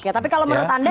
oke tapi kalau menurut anda